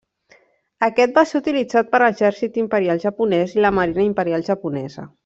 Aquest va ser utilitzat per l'Exèrcit Imperial Japonès i la Marina Imperial Japonesa.